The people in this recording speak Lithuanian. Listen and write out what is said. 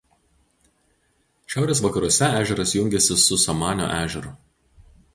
Šiaurės vakaruose ežeras jungiasi su Samanio ežeru.